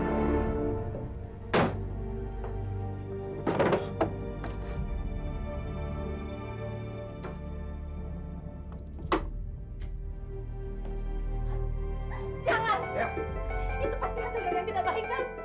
itu pasti hasilnya yang tidak baik kan